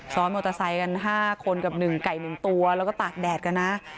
ซ้อนมอเตอร์ไซค์กัน๕คนกับ๑ไก่๑ตัวแล้วก็ตากแดดกันนะ